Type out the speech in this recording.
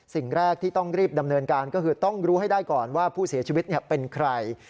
สิ่งแรกที่ต้องรีบดำเนินการก็คือต้องรู้ให้ได้ก่อนว่าผู้เสียชีวิตเป็นใคร